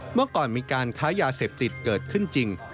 เมื่อก่อนมีการค้ายาเสพติดเกิดขึ้นจริง